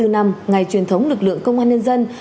bảy mươi bốn năm ngày truyền thống lực lượng công an nhân dân